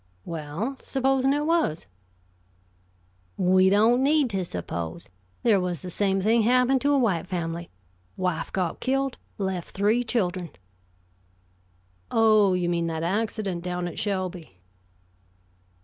"Well, supposing it was?" "We don't need to suppose. There was the same thing happened to a white family. Wife got killed left three children." "Oh, you mean that accident down at Shelby?"